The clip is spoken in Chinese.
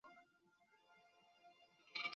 在欧美堪称旅行指南的代称。